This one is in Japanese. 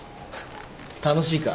楽しいか？